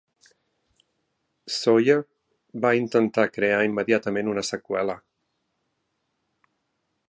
Sawyer va intentar crear immediatament una seqüela.